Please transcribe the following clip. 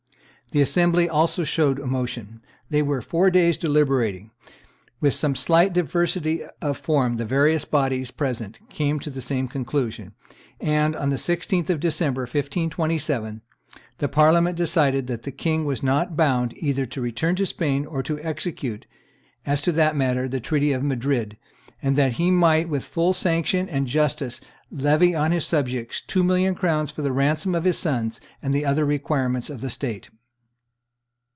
The assembly also showed emotion; they were four days deliberating; with some slight diversity of form the various bodies present came to the same conclusion; and, on the 16th of December, 1527, the Parliament decided that the king was not bound either to return to Spain or to execute, as to that matter, the treaty of Madrid, and that he might with full sanction and justice levy on his subjects two millions of crowns for the ransom of his sons and the other requirements of the state.